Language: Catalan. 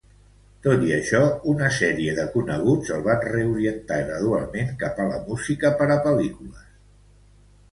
Tot i això, una sèrie de coneguts el van reorientar gradualment cap a la música per a pel·lícules.